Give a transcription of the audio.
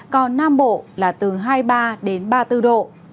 còn nam bộ là từ hai mươi ba đến ba mươi bốn độ